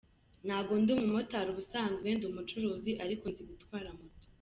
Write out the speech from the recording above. Ntago ndi umumotari , ubusanzwe ndi umucuruzi ariko nzi gutwara moto”.